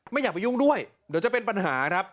อย่าไปยุ่งด้วยเดี๋ยวจะเป็นปัญหาครับ